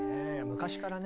昔からね